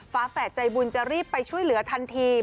ฝาแฝดใจบุญจะรีบไปช่วยเหลือทันที